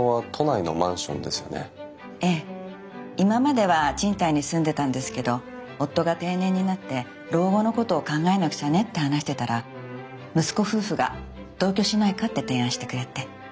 今までは賃貸に住んでたんですけど夫が定年になって「老後のことを考えなくちゃね」って話してたら息子夫婦が「同居しないか」って提案してくれて。